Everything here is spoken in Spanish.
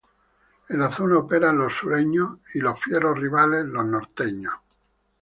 En la zona operan los Sureños y sus fieros rivales los Norteños.